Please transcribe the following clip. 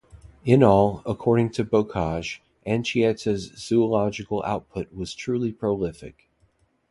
In all, according to Bocage, Anchieta's zoological output was truly prolific.